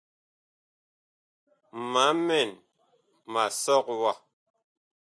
Ma mɛn ma sɔg wa.